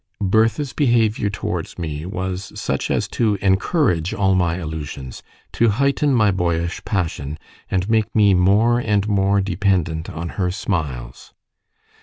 Bertha's behaviour towards me was such as to encourage all my illusions, to heighten my boyish passion, and make me more and more dependent on her smiles.